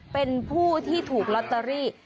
เป็นผู้ที่ถูกลอตเตอรี่